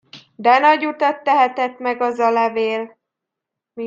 De nagy utat tehetett meg az a levél!